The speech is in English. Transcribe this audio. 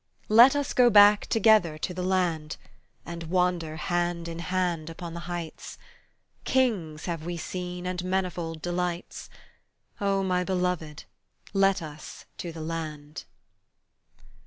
Let us go back together to the land, And wander hand in hand upon the heights; Kings have we seen, and manifold delights, Oh, my beloved, let us to the land!